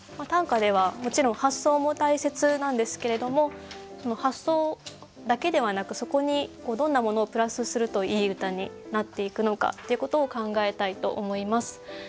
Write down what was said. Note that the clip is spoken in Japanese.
短歌ではもちろん発想も大切なんですけれどもその発想だけではなくそこにどんなものをプラスするといい歌になっていくのかっていうことを考えたいと思います。